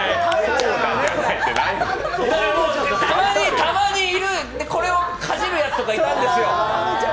たまにいる、これをかじるやつとかいたんですよ。